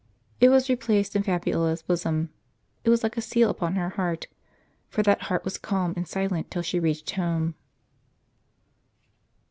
It was replaced in Fabiola's bosom : it was like a seal upon her heart, for that heart was calm and silent till she reached home.